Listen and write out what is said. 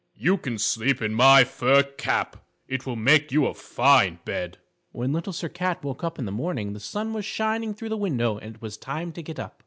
"You can sleep in my fur cap it will make you a fine bed." When Little Sir Cat woke up in the morning the sun was shining through the window and it was time to get up.